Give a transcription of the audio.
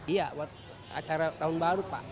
iya buat acara tahun baru pak